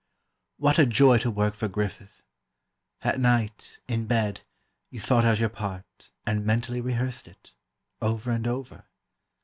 What a joy to work for Griffith! At night, in bed, you thought out your part, and mentally rehearsed it—over and over.